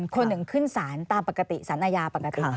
คนหนึ่งขึ้นสารตามปกติสารอาญาปกติ